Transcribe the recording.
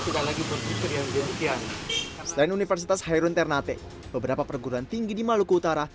selain universitas hairun ternate beberapa perguruan tinggi di maluku utara